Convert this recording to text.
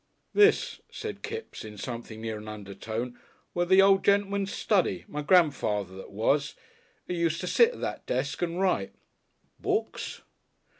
"This," said Kipps, in something near an undertone, "was the o' gentleman's study my grandfather that was. 'E used to sit at that desk and write." "Books?"